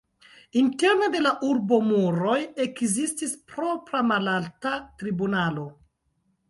Interne de la urbomuroj ekzistis propra malalta tribunalo.